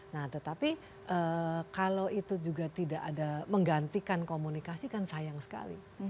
nah tetapi kalau itu juga tidak ada menggantikan komunikasi kan sayang sekali